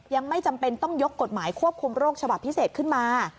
ยังไม่จำเป็นต้องยกกฎหมายควบคุมโรคฉบับพิเศษขึ้นมา